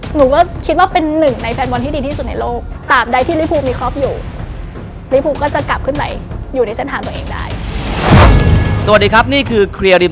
หนูก็คิดว่าเป็นหนึ่งในแฟนบอลที่ดีที่สุดในโลก